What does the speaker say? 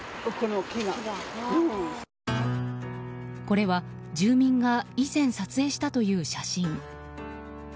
これは、住民が以前撮影したという写真。